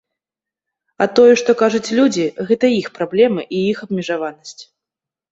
А тое, што кажуць людзі, гэта іх праблемы і іх абмежаванасць.